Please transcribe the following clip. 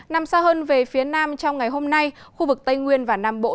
nằm xa hơn về phía nam trong ngày hôm nay khu vực tây nguyên và nam bộ